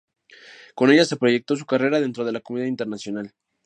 Con ella se proyectó su carrera dentro de la comunidad internacional.